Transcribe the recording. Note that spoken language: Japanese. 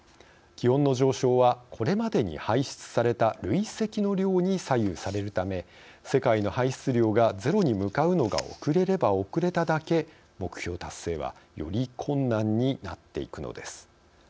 気温の上昇はこれまでに排出された累積の量に左右されるため世界の排出量がゼロに向かうのが遅れれば遅れただけ目標達成はより困難になっていくのです。